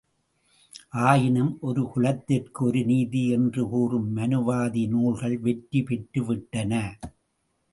ஆயினும் ஒரு குலத்திற்கு ஒரு நீதி என்று கூறும் மனுவாதி நூல்கள் வெற்றி பெற்று விட்டன.